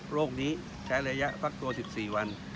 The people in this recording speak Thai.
โรคนี้ใช้ระยะฟักตัว๑๔วัน